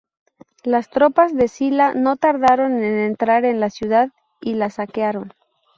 Las tropas de Sila no tardaron en entrar en la ciudad, y la saquearon.